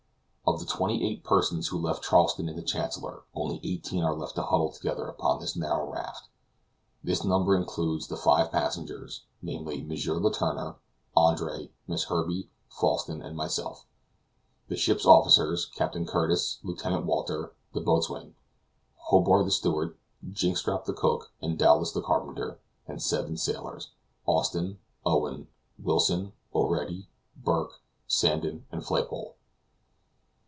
Of the twenty eight persons who left Charleston in the Chancellor, only eighteen are left to huddle together upon this narrow raft; this number includes the five passengers, namely, M. Letourneur, Andre, Miss Herbey, Falsten, and myself; the ship's officers, Captain Curtis, Lieutenant Walter, the boatswain, Hobart the steward, Jynxstrop the cook, and Dowlas the carpenter; and seven sailors, Austin, Owen, Wilson, O'Ready, Burke, Sandon, and Flaypole.